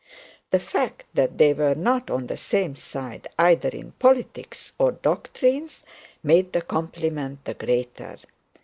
The fact that they were not on the same side either in politics or doctrines made the compliment the greater.